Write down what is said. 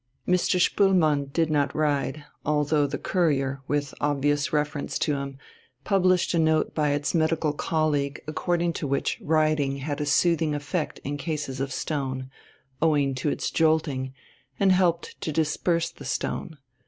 Mr. Spoelmann did not ride, although the Courier, with obvious reference to him, published a note by its medical colleague according to which riding had a soothing effect in cases of stone, owing to its jolting, and helped to disperse the stone.